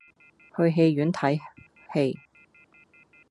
去戲院睇戯